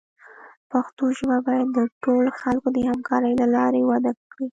پښتو ژبه باید د ټولو خلکو د همکارۍ له لارې وده وکړي.